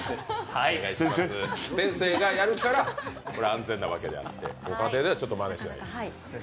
先生がやるから安全なわけであって、ご家庭ではまねしないように。